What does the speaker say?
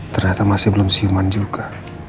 ternyata masih belum siuman juga